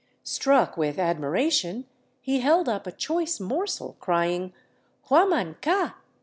Struck with admiration, he held up a choice morsel crying, '' Huaman ca